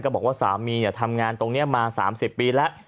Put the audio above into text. ก็บอกว่าสามีจะทำงานตรงนี้มาสามสิบปีแล้ว